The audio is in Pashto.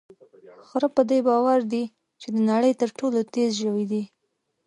خره په دې باور دی چې د نړۍ تر ټولو تېز ژوی دی.